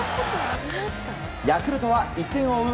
ヤクルトは１点を追う